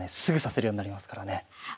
すぐ指せるようになりますからね。